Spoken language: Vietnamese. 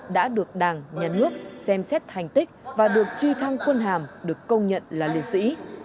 đã được đảng nhà nước xem xét thành tích và được truy thăng quân hàm được công nhận là liệt sĩ